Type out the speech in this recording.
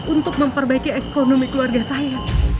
untuk memperbaiki ekonomi keluarga saya